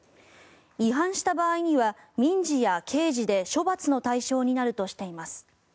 違反した場合には民事や刑事で処罰の対象になるとしています。